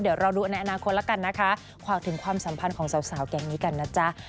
เดี๋ยวเราดูในอนาคตแล้วกันนะคะฝากถึงความสัมพันธ์ของสาวแก๊งนี้กันนะจ๊ะ